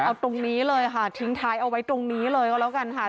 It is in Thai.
เอาตรงนี้เลยค่ะทิ้งท้ายเอาไว้ตรงนี้เลยก็แล้วกันค่ะ